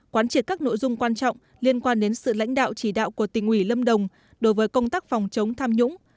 quán triệt các nội dung quan trọng liên quan đến sự lãnh đạo chỉ đạo của tỉnh ủy lâm đồng đối với công tác phòng chống tham nhũng